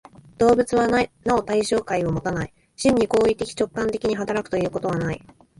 動物はなお対象界をもたない、真に行為的直観的に働くということはない。